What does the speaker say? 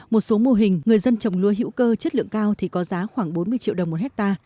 một số mô hình người dân trồng lúa hữu cơ chất lượng cao thì có giá khoảng bốn mươi triệu đồng một ha